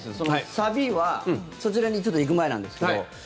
サビはそちらにちょっと行く前なんですけど。